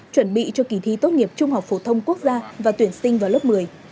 chuẩn bị cho kỳ thi tốt nghiệp trung học phổ thông quốc gia và tuyển sinh vào lớp một mươi